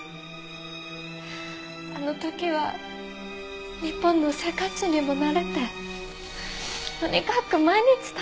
あの時は日本の生活にも慣れてとにかく毎日楽しくて。